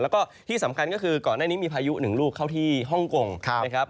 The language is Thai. แล้วก็ที่สำคัญก็คือก่อนหน้านี้มีพายุหนึ่งลูกเข้าที่ฮ่องกงนะครับ